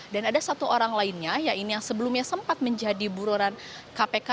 dan ada satu orang lainnya yang sebelumnya sempat menjadi bururan kpk